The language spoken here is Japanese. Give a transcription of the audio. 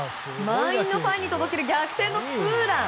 満員のファンに届ける逆転ツーラン。